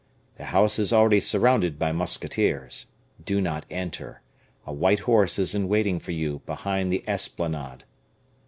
The house is already surrounded by musketeers. Do not enter. A white horse is in waiting for you behind the esplanade!"